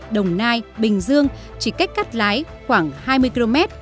đồng nai bình dương chỉ cách cắt lái khoảng hai mươi km